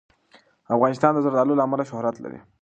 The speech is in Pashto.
افغانستان د زردالو له امله شهرت لري.